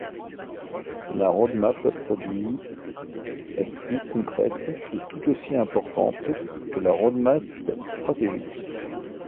La roadmap produit est plus concrète et tout aussi importante que la roadmap stratégique.